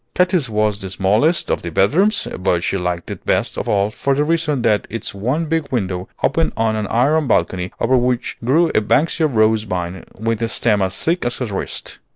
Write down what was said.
Katy's was the smallest of the bedrooms, but she liked it best of all for the reason that its one big window opened on an iron balcony over which grew a Banksia rose vine with a stem as thick as her wrist.